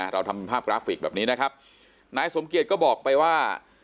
เราทำภาพกราฟิกแบบนี้นะครับนายสมเกียจก็บอกไปว่า